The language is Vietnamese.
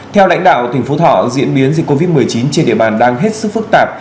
theo lãnh đạo tỉnh phú thọ diễn biến dịch covid một mươi chín trên địa bàn đang hết sức phức tạp